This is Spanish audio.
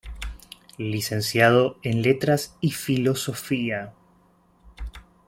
Licenciado en Letras y Filosofía.